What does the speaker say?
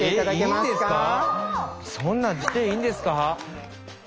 そんなんしていいんですか？